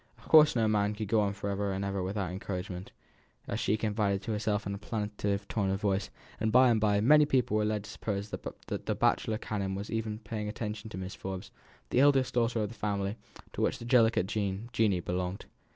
"Of course no man could go on for ever and ever without encouragement," as she confided to herself in a plaintive tone of voice; and by and by many people were led to suppose that the bachelor canon was paying attention to Miss Forbes, the eldest daughter of the family to which the delicate Jeanie belonged.